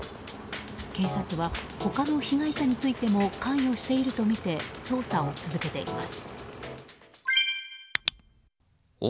警察は、他の被害者についても関与しているとみて捜査を続けています。